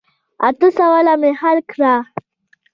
اته سواله مې حل کړه.